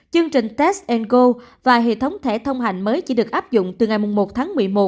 chương trình test ango và hệ thống thẻ thông hành mới chỉ được áp dụng từ ngày một tháng một mươi một